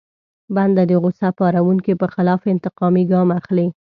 بنده د غوسه پاروونکي په خلاف انتقامي ګام اخلي.